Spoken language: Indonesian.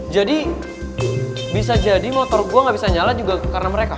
jadi bisa jadi motor gue gak bisa nyala juga karena mereka